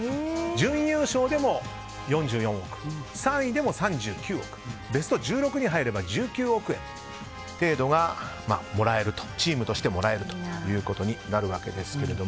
準優勝でも４４億３位でも３９億ベスト１６に入れば１９億円程度チームとしてもらえるということになるわけですが。